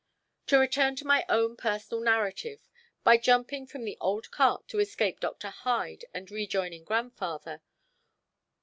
To return to my own personal narrative—by jumping from the old cart to escape from Dr. Hyde and rejoining grandfather.